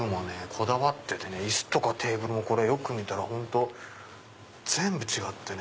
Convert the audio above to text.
こだわってて椅子とかテーブルもよく見たら本当全部違ってね。